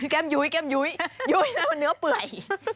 แก้มยุ้ยยุ้ยนะมันเนื้อเปื่อย